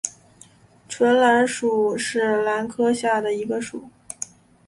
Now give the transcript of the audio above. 唇兰属是兰科下的一个属。